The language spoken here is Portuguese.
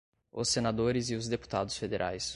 os senadores e os deputados federais